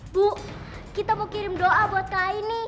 bu kita mau kirim doa buat kak aini